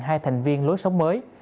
hai thành viên lối sông mới